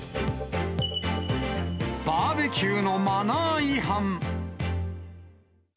バーベキューのマナー違反。